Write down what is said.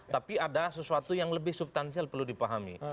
tapi ada sesuatu yang lebih subtansial perlu dipahami